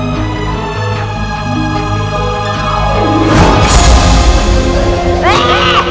kau akan menang